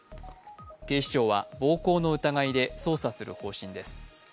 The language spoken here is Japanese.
警視庁は暴行の疑いで捜査する方針です。